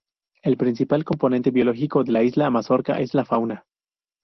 El principal componente biológico de la isla Mazorca es la fauna.